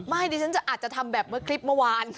ดิฉันอาจจะทำแบบเมื่อคลิปเมื่อวาน